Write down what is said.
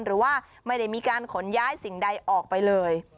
หรือว่าไม่ได้มีการขนย้ายสิ่งใดออกไปเลย